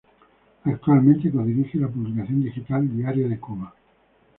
Actualmente co-dirige la publicación digital Diario de Cuba.